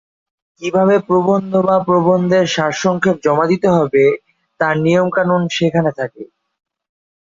কীভাবে প্রবন্ধ বা প্রবন্ধের সারসংক্ষেপ জমা দিতে হবে তার নিয়মকানুন সেখানে থাকে।